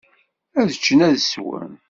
Ad ččen, ad swen.